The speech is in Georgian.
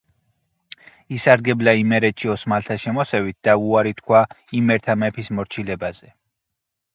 ისარგებლა იმერეთში ოსმალთა შემოსევით და უარი თქვა იმერთა მეფის მორჩილებაზე.